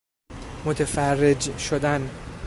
متفرج شدن